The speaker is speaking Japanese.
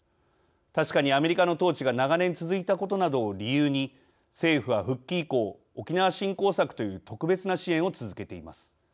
確かに、アメリカの統治が長年続いたことなどを理由に政府は復帰以降沖縄振興策という特別な支援を続けています。